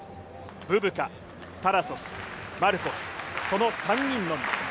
ブブカ、タラソフ、マルコフ、その３人のみ。